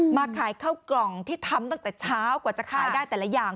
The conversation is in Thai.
มาขายข้าวกล่องที่ทำตั้งแต่เช้ากว่าจะขายได้แต่ละอย่าง